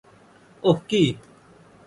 ওহ, কি?